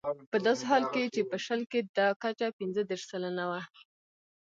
په داسې حال کې چې په شل کې دا کچه پنځه دېرش سلنه وه.